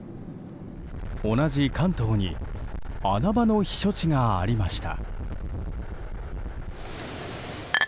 同じ関東に穴場の避暑地がありました。